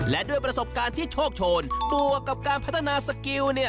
และด้วยประสบการณ์ที่โชคโชนบวกกับการพัฒนาสกิล